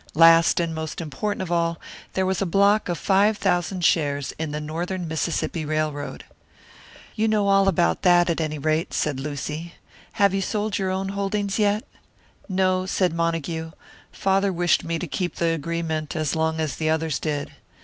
Last and most important of all, there was a block of five thousand shares in the Northern Mississippi Railroad. "You know all about that, at any rate," said Lucy. "Have you sold your own holdings yet?" "No," said Montague. "Father wished me to keep the agreement as long as the others did."